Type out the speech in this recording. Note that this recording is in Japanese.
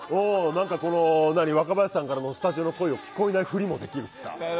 若林さんからのスタジオの声を聞こえないふりもできるしさ。